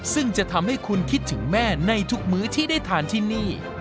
ซึ่งจะทำให้คุณคิดถึงแม่ในทุกมื้อที่ได้ทานที่นี่